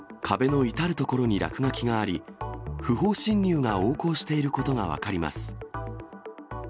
壁の至る所に落書きがあり、不法侵入が横行していることが分かります。